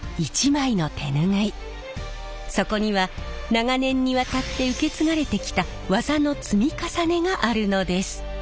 そこには長年にわたって受け継がれてきた技の積み重ねがあるのです。